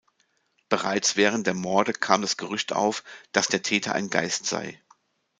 Bereits während der Morde kam das Gerücht auf, dass der Täter ein Geist sei.